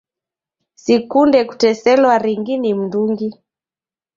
Sikunde kuteselwa ringi ni mndungi